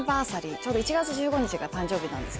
ちょうど１月１５日が誕生日なんですけど。